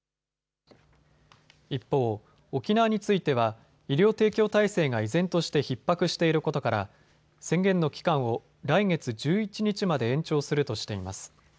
一方、沖縄については医療提供体制が依然としてひっ迫していることから宣言の期間を来月１１日まで延長するとしています。